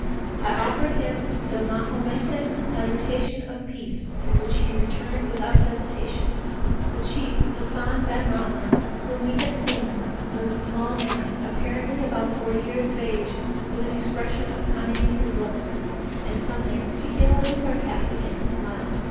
I offered him the Mahometan salutation of peace, which he returned without hesitation. The chief, Hassan ben Rahma, whom we had seen, was a small man, apparently about forty years of age, with an expression of cunning in his looks, and something particularly sarcastic in his smile.